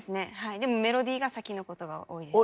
でもメロディーが先のことが多いです。